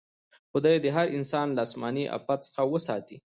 خدای دې هر انسان له اسماني افت څخه وساتي.